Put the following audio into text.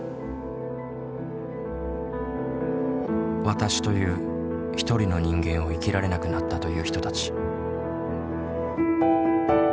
「わたし」という一人の人間を生きられなくなったという人たち。